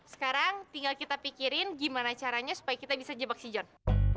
sekarang tinggal kita pikirin gimana caranya supaya kita bisa jebak sijon